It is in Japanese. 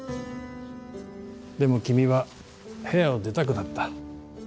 でも君は部屋を出たくなった。